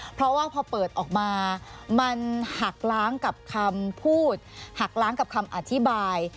เพราะว่าพอเปิดออกมามันหักล้างกับคำพูดหักล้างกับคำอธิบาย